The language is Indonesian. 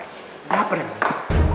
kenapa dengan nisa